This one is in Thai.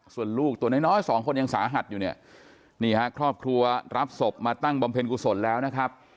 ส่วนลูกตัวน้อยสองคนยังสาหัสอยู่เนี่ยนี่ฮะครอบครัวรับศพมาตั้งบำเพ็ญกุศลแล้วนะครับ